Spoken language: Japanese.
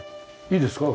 いいですか？